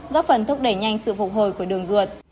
góp phần thúc đẩy nhanh sự phục hồi của đường ruột